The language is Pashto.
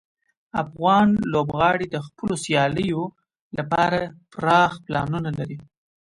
افغان لوبغاړي د خپلو سیالیو لپاره پراخ پلانونه لري.